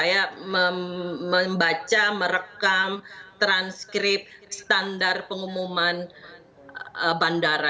satu bulan setengah itu saya membaca merekam transkrip standar pengumuman bandara